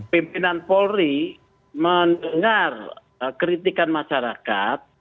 pimpinan polri mendengar kritikan masyarakat